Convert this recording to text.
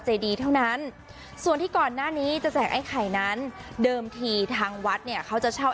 ใจดีเท่านั้นส่วนที่ก่อนหน้านี้จะแจกไอ้ไข่นั้นเดิมทีทางวัดเนี่ยเขาจะเช่า